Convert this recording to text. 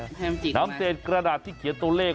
ให้มันจิกออกไหมครับน้ำเศษกระดาษที่เขียนตัวเลข